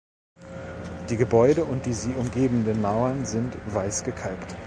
Die Gebäude und die sie umgebenden Mauern sind weiß gekalkt.